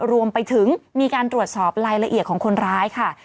รวมไปถึงมีการตรวจสอบรายละเอียดของคนร้ายค่ะ